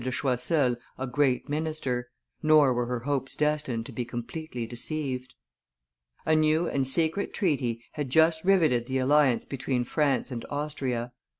de Choiseul a great minister; nor were her hopes destined to be completely deceived. A new and secret treaty had just riveted the alliance between France and Austria. M.